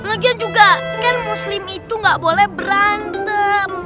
lagian juga kan muslim itu gak boleh berantem